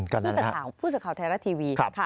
กันแล้วนะครับค่ะผู้สักข่าวผู้สักข่าวไทยรัฐทีวี